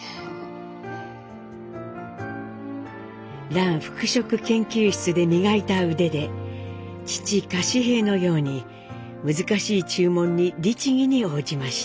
蘭服飾研究室で磨いた腕で父柏平のように難しい注文に律儀に応じました。